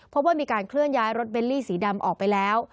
พบว่ามีการเคลื่อนย้ายรถเบลลี่สีดำออกไปแล้ว